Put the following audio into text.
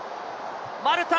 マルタ！